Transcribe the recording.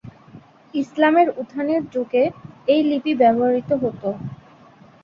ইসলামের উত্থানের যুগে এই লিপি ব্যবহৃত হত।